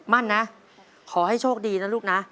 มั่นนะขอให้โชคดีนะลูกนะ